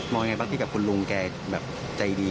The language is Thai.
ลุงแจก็บ่นอยู่เมื่อวานเนี่ย